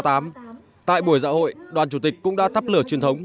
tại buổi dạo hội đoàn chủ tịch cũng đã thắp lửa truyền thống